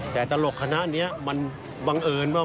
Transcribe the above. แต่คณะตลกมันฝังอยู่นะคะ